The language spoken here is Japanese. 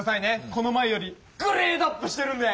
この前よりグレードアップしてるんで！